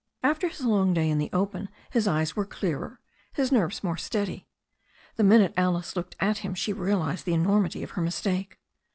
After his long day in the open his eyes were clearer, his nerves more steady. The minute Alice looked at him she realized the enormity of her mistake.